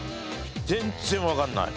全然わかんない。